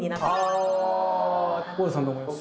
あ尾形さんどう思います？